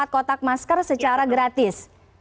empat kotak masker secara gratis